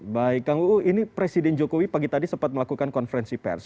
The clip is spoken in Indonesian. baik kang uu ini presiden jokowi pagi tadi sempat melakukan konferensi pers